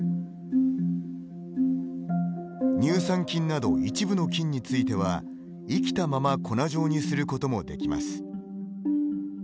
乳酸菌など一部の菌については生きたまま粉状にすることもできます。